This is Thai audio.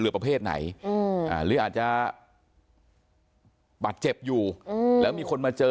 เรือประเภทไหนอ่าหรืออาจจะปัดเจ็บอยู่อืมแล้วมีคนมาเจอ